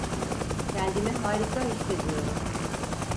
Kendimi harika hissediyorum.